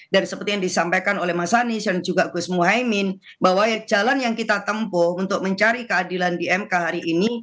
dan seperti yang disampaikan oleh mas anies dan juga gus muhaymin bahwa jalan yang kita tempuh untuk mencari keadilan di mk hari ini